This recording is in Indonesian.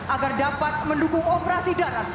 agar dapat mendukung operasi darat